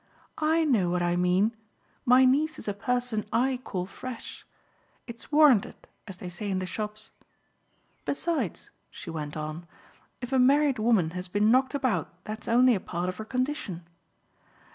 "I know what I mean. My niece is a person I call fresh. It's warranted, as they say in the shops. Besides," she went on, "if a married woman has been knocked about that's only a part of her condition.